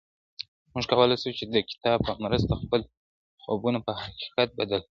موږ کولای سو چي د کتاب په مرسته خپل خوبونه په حقيقت بدل کړو ..